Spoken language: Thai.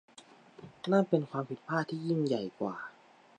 นั่นเป็นความผิดพลาดที่ยิ่งใหญ่กว่า